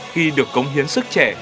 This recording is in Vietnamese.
khi được cống hiến sức trẻ